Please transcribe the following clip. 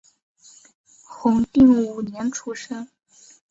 弘定五年出生。